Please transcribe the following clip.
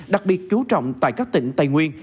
đặc biệt chú trọng tại các tỉnh tây nguyên